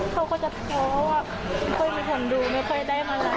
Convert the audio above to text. เขาก็จะท้อว่าไม่ค่อยมีคนดูไม่ค่อยได้มารับ